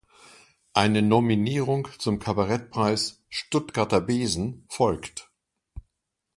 Eine Nominierung zum Kabarettpreis "Stuttgarter Besen" folgt.